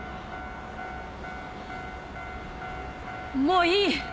もういい！